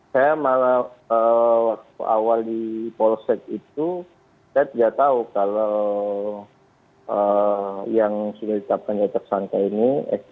saya malah waktu awal di polsek itu saya tidak tahu kalau yang sudah ditetapkan jadi tersangka ini